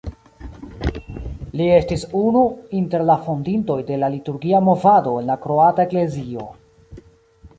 Li estis unu inter la fondintoj de la liturgia movado en la kroata Eklezio.